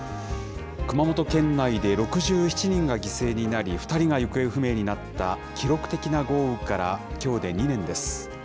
熊本県内で６７人が犠牲になり、２人が行方不明になった記録的な豪雨からきょうで２年です。